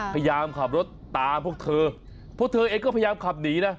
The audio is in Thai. พยายามขับรถตามพวกเธอพวกเธอเองก็พยายามขับหนีนะ